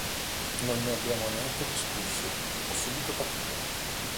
Non ne abbiamo neanche discusso, ho subito capito.